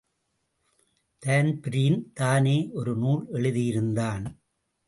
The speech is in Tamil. தான்பிரீன் தானே ஒரு நூல் எழுதியிருந்தான்.